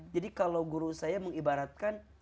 jadi kalau guru saya mengibaratkan